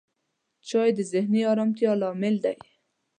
چای د ذهني آرامتیا لامل دی